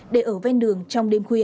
để ở ven đường trong đêm khuya